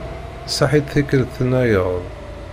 Saḥit tikkelt-nnayeḍ.